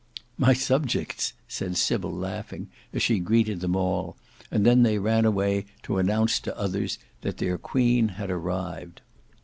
"My subjects," said Sybil laughing, as she greeted them all; and then they ran away to announce to others that their queen had arrived.